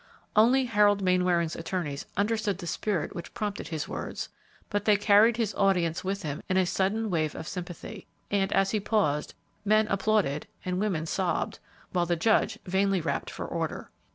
Only Harold Mainwaring's attorneys understood the spirit which prompted his words, but they carried his audience with him in a sudden wave of sympathy, and as he paused, men applauded and women sobbed, while the judge vainly rapped for order.